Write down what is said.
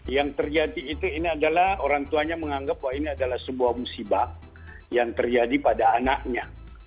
yang terjadi itu ini adalah orang tuanya menganggap bahwa ini adalah sebuah musibah yang terjadi pada anaknya